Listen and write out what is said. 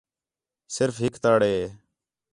صرف ہِک تَڑ ہِے